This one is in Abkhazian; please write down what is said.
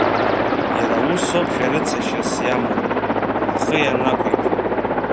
Иара усоуп шәарыцашьас иамоу, ахы ианақәиҭу.